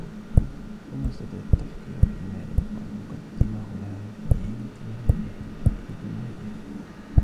لم يستطع التفكير في ما يجب أن يقدمه لها في عيد ميلادها.